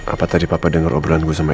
apakah tadi papa denger omongan gue sama elsa